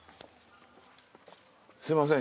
すいません。